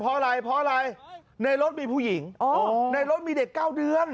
เพราะอะไรในรถมีผู้หญิงในรถมีเด็ก๙เดือน